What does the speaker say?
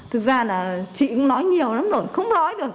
thực ra là chị cũng nói nhiều lắm rồi không nói được